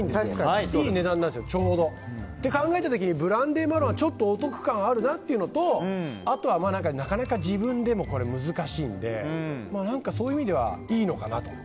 ちょうどいい値段なんですよ。って考えた時にブランデーマロンはお得感あるなっていうのとあとはなかなか自分でも難しいのでそういう意味ではいいのかなと。